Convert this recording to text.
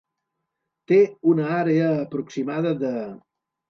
Té una àrea aproximada de.